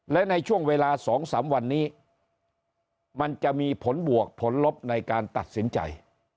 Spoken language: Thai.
และในช่วงเวลา๒๓วันนี้มันจะมีผลบวกผลลบในการตัดสินใจ